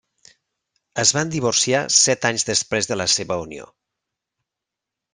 Es van divorciar set anys després de la seva unió.